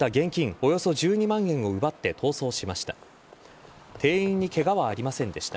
およそ１２万円を奪って逃走しました。